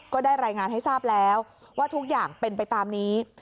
ก็ได้รายงานให้ทราบแล้วว่าทุกอย่างเป็นไปตามนี้